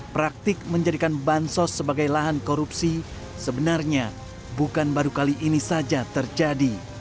praktik menjadikan bansos sebagai lahan korupsi sebenarnya bukan baru kali ini saja terjadi